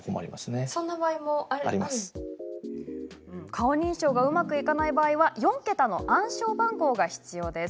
顔認証がうまくいかない場合は４桁の暗証番号が必要です。